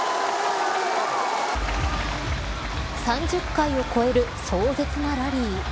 ３０回を超える壮絶なラリー。